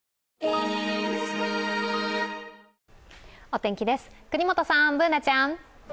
お天気です、國本さん、Ｂｏｏｎａちゃん。